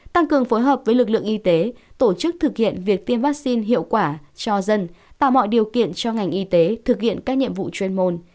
tăng cường phối hợp với lực lượng y tế tổ chức thực hiện việc tiêm vaccine hiệu quả cho dân tạo mọi điều kiện cho ngành y tế thực hiện các nhiệm vụ chuyên môn